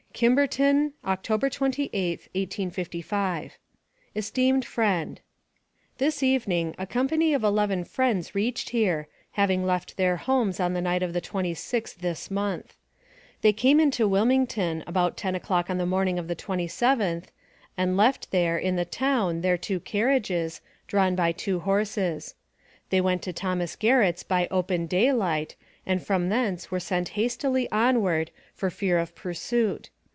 KIMBERTON, October 28th, 1855. ESTEEMED FRIEND; This evening a company of eleven friends reached here, having left their homes on the night of the 26th inst. They came into Wilmington, about ten o'clock on the morning of the 27th, and left there, in the town, their two carriages, drawn by two horses. They went to Thomas Garrett's by open day light and from thence were sent hastily onward for fear of pursuit.